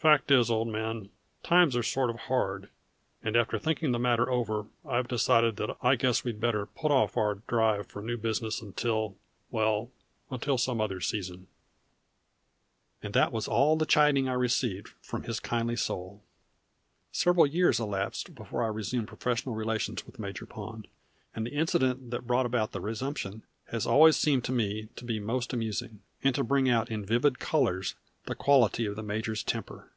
"Fact is, old man, times are sort o' hard, and after thinking the matter over I've decided that I guess we'd better put off our drive for new business until well, until some other season." And that was all the chiding I received from that kindly soul! Several years elapsed before I resumed professional relations with Major Pond, and the incident that brought about that resumption has always seemed to me to be most amusing, and to bring out in vivid colors the quality of the major's temper.